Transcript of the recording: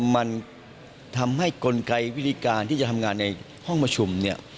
มันทำให้กลไกวิธีการที่จะทำงานในห้องประชุมเนี่ย